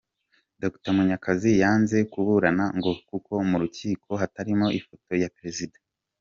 Dr. Munyakazi yanze kuburana ngo kuko mu rukiko hatarimo ifoto ya Perezida